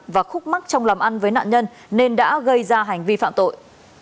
và khúc mắt trong lầm ăn với nạn nhân nên đã gây ra hành vi phạm tội